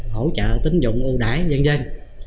hỗ trợ tín dụng ưu đãi dân dân